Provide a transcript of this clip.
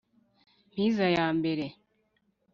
mpiza ya mbere.